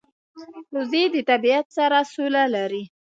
وزې د طبیعت سره سوله لري